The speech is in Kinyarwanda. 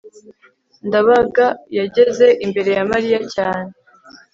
ndabaga yageze imbere ya mariya cyane